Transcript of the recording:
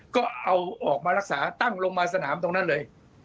ก็เอาออกมารักษาตั้งลงมาสนามตรงนั้นเลย